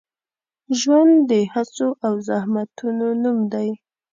ژوند د هڅو او زحمتونو نوم دی.